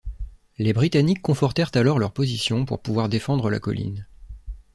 Les Britanniques confortèrent alors leur position pour pouvoir défendre la colline.